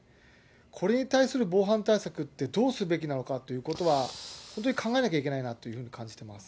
これに対する防犯対策ってどうするべきなのかということは、本当に考えなきゃいけないなというふうに感じています。